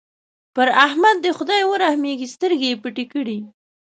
پر احمد دې خدای ورحمېږي؛ سترګې يې پټې کړې.